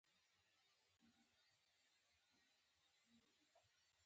تور پوستو د اعتراضونو له لارې دا نظام له منځه یووړ.